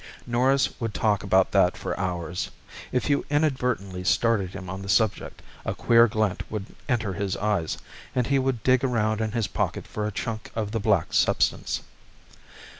Norris would talk about that for hours. If you inadvertently started him on the subject a queer glint would enter his eyes, and he would dig around in his pocket for a chunk of the black substance.